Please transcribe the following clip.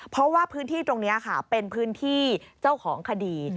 เพราะว่าพื้นที่ตรงนี้ค่ะเป็นพื้นที่เจ้าของคดี